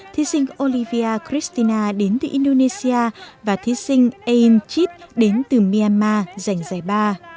thi sinh olivia cristina đến từ indonesia và thi sinh ayn chit đến từ myanmar giành giải ba